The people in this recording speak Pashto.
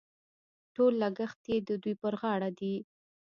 ټول لګښت یې د دوی پر غاړه دي.